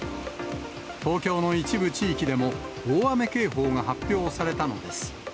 東京の一部地域でも、大雨警報が発表されたのです。